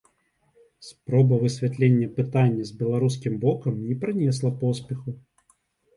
Спроба высвятлення пытання з беларускім бокам не прынесла поспеху.